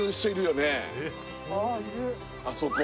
あそこ